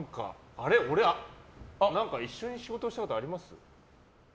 あれ、俺一緒に仕事したことあります？